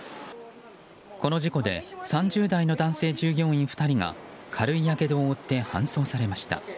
この事故で３０代の男性従業員２人が軽いやけどを負って搬送されました。